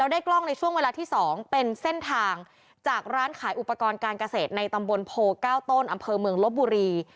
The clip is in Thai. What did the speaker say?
ได้กล้องในช่วงเวลาที่๒เป็นเส้นทางจากร้านขายอุปกรณ์การเกษตรในตำบลโพ๙ต้นอำเภอเมืองลบบุรี